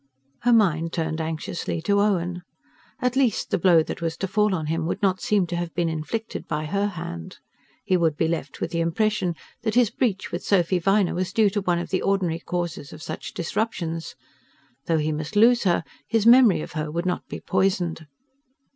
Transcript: Her mind turned anxiously to Owen. At least the blow that was to fall on him would not seem to have been inflicted by her hand. He would be left with the impression that his breach with Sophy Viner was due to one of the ordinary causes of such disruptions: though he must lose her, his memory of her would not be poisoned.